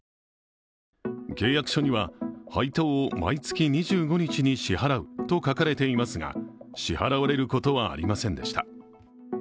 契約書には配当を毎月２５日に支払うと書かれていますが、支払われることはありませんでした。